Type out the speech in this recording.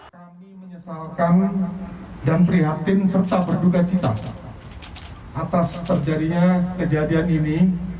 kami menyesalkan dan prihatin serta berduka cita atas terjadinya kejadian ini